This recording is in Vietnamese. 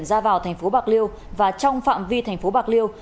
ra vào thành phố bạc liêu và trong phạm vi thành phố bạc liêu